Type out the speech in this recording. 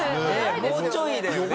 もうちょいだよね。